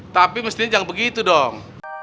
tapi mestinya jangan begitu dong